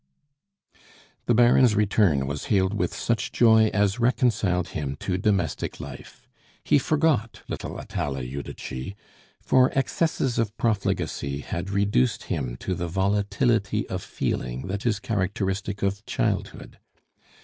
The Baron's return was hailed with such joy as reconciled him to domestic life. He forgot little Atala Judici, for excesses of profligacy had reduced him to the volatility of feeling that is characteristic of childhood.